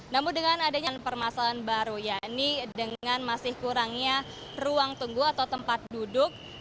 namun dengan adanya permasalahan baru ya ini dengan masih kurangnya ruang tunggu atau tempat duduk